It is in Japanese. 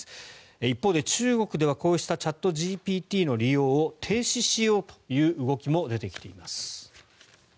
一方で中国ではこうしたチャットＧＰＴの利用を停止しようという動きも出てきています。